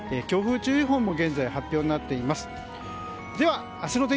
強風注意報も現在、発表になっています。